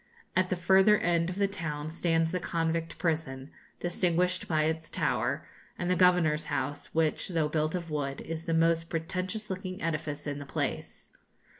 At the further end of the town stands the convict prison, distinguished by its tower, and the Governor's house, which, though built of wood, is the most pretentious looking edifice in the place.